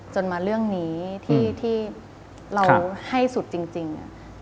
จนมาเรื่องนี้ที่เราให้สุดจริง